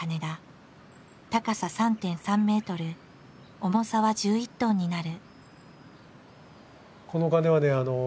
高さ３．３メートル重さは１１トンになる。